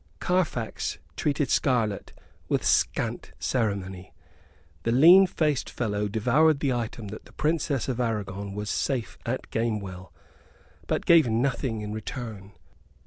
Carfax treated Scarlett with scant ceremony. The lean faced fellow devoured the item that the Princess of Aragon was safe at Gamewell, but gave nothing in return.